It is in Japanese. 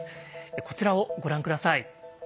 こちらをご覧下さい。